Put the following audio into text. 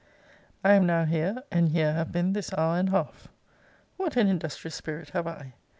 I am now here, and here have been this hour and half. What an industrious spirit have I!